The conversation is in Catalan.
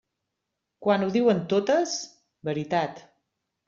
Quan ho diuen totes, veritat.